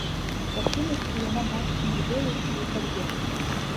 У партыйнасці яна бачыць не ідэю, а і кар'еру.